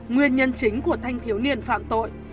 nguyên nhân chính của thanh thiếu niên phạm tội